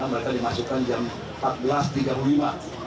dan dua puluh enam mereka dimasukkan jam empat belas tiga puluh